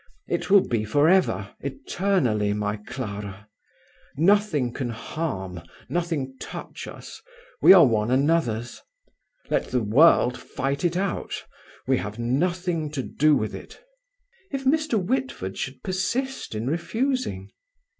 It will be for ever, eternally, my Clara. Nothing can harm, nothing touch us; we are one another's. Let the world fight it out; we have nothing to do with it." "If Mr. Whitford should persist in refusing?"